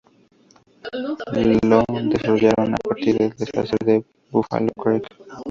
Lo desarrollaron a partir del desastre de Buffalo Creek.